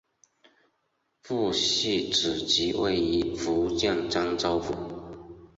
父系祖籍位于福建漳州府。